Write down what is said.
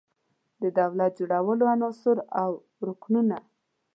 د دولت جوړولو عناصر او رکنونه